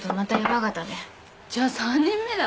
じゃあ３人目だ。